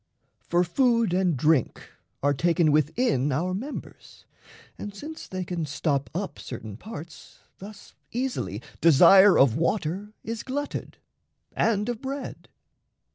For food and drink Are taken within our members; and, since they Can stop up certain parts, thus, easily Desire of water is glutted and of bread.